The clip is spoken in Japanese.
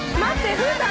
ふうたん